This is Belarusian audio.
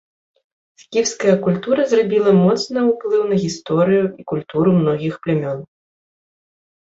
Скіфская культура зрабіла моцны ўплыў на гісторыю і культуру многіх плямён.